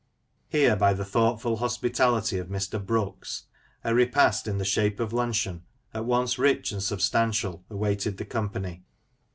Here, by the thought ful hospitality of Mr. Brooks, a repast in the shape of luncheon, at once rich, and substantial, awaited the company.